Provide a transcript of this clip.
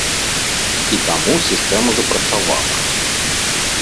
І таму сістэма запрацавала.